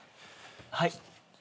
はい？